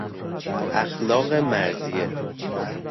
اخلاق مرضیه